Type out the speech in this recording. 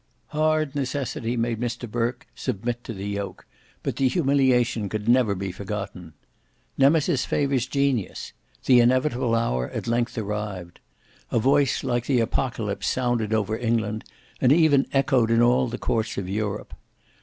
Hard necessity made Mr Burke submit to the yoke, but the humiliation could never be forgotten. Nemesis favours genius: the inevitable hour at length arrived. A voice like the Apocalypse sounded over England and even echoed in all the courts of Europe.